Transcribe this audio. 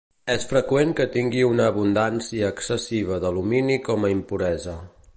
És freqüent que tingui una abundància excessiva d'alumini com a impuresa.